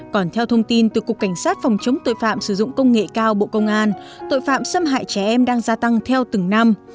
còn theo thông tin từ cục cảnh sát phòng chống tội phạm sử dụng công nghệ cao bộ công an tội phạm xâm hại trẻ em đang gia tăng theo từng năm